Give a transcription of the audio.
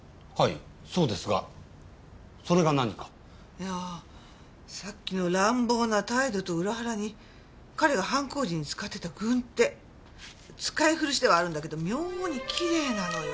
いやさっきの乱暴な態度と裏腹に彼が犯行時に使ってた軍手使い古しではあるんだけど妙にきれいなのよ。